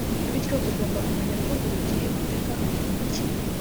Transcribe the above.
Bityo ugomba kumenya ko buri gihe utega amatwi umukiriya